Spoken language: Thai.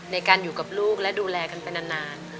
ในการอยู่กับลูกและดูแลกันไปนาน